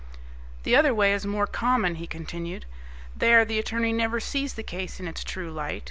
"The other way is more common," he continued. "There the attorney never sees the case in its true light.